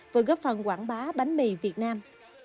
vừa góp phần quảng bá bánh mì việt nam